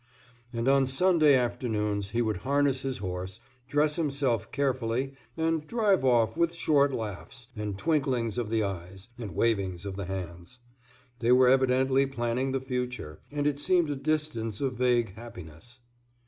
And on Sunday afternoons he would harness his horse, dress himself carefully, and drive off with short laughs, and twinklings of the eyes, and wavings of the hands. They were evidently planning the future; and it seemed a distance of vague happiness.